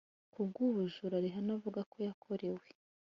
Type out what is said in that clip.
Kubw’ubu bujura Rihanna avuga ko yakorewe